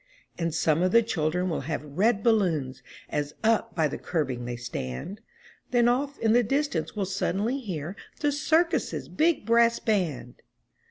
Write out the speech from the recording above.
And some of the children will have red balloons, As up by the curbing they stand, Then off in the distance we'll suddenly hear The circus's big brass band